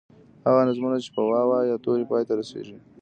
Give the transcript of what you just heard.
هغه نظمونه چې په واو، یا تورو پای ته رسیږي.